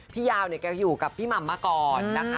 พี่ยาวเนี่ยแกอยู่กับพี่หม่ำมาก่อนนะคะ